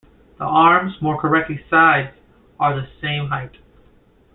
The arms, more correctly sides, are of the same height.